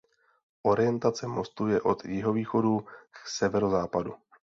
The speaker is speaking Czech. Orientace mostu je od jihovýchodu k severozápadu.